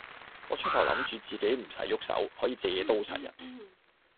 我初頭諗住自己唔使郁手，可以借刀殺人